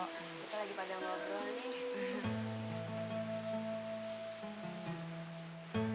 kita lagi padang bawa bro nih